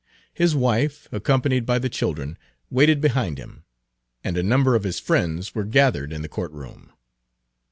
His wife, accompanied by the children, waited behind him, and a number of his friends were gathered in the court room.